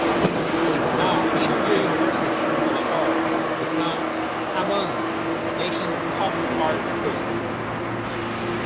Now Chugye University for the Arts has become among the nation's top art schools.